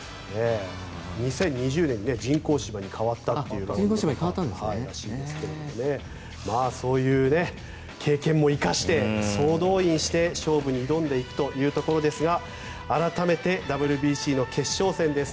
２０２０年人工芝に変わったらしいですけどそういう経験も生かして総動員して勝負に挑んでいくというところですが改めてＷＢＣの決勝戦です。